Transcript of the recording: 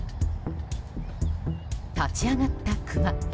立ち上がったクマ。